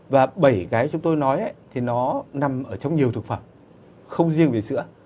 và bảy cái chúng tôi nói thì nó nằm ở trong nhiều thực phẩm không riêng về sữa